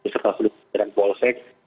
serta seluruh jajaran polsek